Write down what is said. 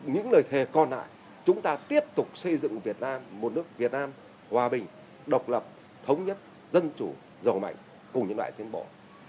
những lời thề còn lại chúng ta tiếp tục xây dựng việt nam một nước việt nam hòa bình độc lập thống nhất dân chủ giàu mạnh cùng những loại tiến bộ